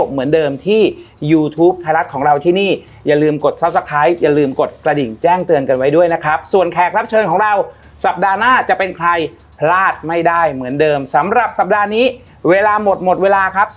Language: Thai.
เป็นครั้งแรกที่เราคุยเรื่องลี้ลับแล้วแล้วรู้สึกว่ามันได้อะไรวะ